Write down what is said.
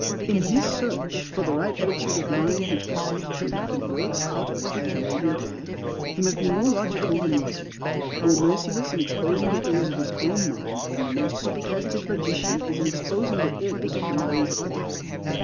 In his search for the right attitude of mind which perceives truth, and works out a wise and radiant life, he must be more logical than logic, more merciless in exposing the errors of his own mind than the most sarcastic logician is in exposing the errors of the minds of others.